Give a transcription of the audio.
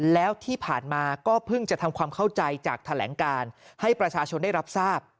แล้วที่ผ่านมาก็เพิ่งจะทำความเข้าใจจากแถลงการให้ประชาชนได้รับทราบ